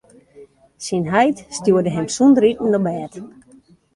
Syn heit stjoerde him sûnder iten op bêd.